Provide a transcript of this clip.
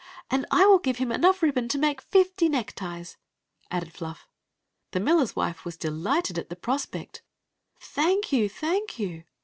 " And I will give him enough ribbon to make fifty neckties," added Fluff. The miller s wife was delighted at the prospect " Thank you ! Thank you